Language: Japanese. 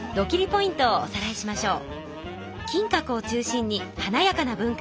ポイントをおさらいしましょう。